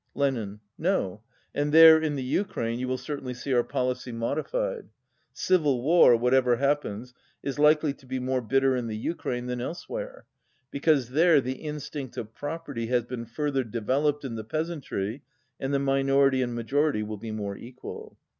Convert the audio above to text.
Lenin. "No. And there, in the Ukraine, you will certainly see our policy modified. Civil war, whatever happens, is likely to be more bitter in the Ukraine than elsewhere, because there the in stinct of property has been further developed in the peasantry, and the minority and majority will be more equal."